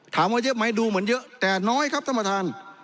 ถามว่าเยอะไหมดูเหมือนเยอะแต่น้อยครับท่านประธาน